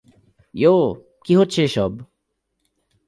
ইয়ো, কী হচ্ছে এসব?